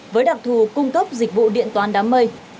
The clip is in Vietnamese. với đặc thù cung cấp dịch vụ điện toán đám mây